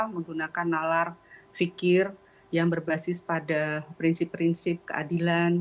menggunakan nalar fikir yang berbasis pada prinsip prinsip keadilan